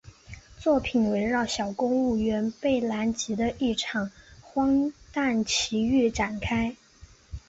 作品围绕小公务员贝兰吉的一场荒诞奇遇展开。